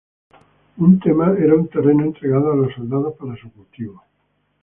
Un thema era un terreno entregado a los soldados para su cultivo.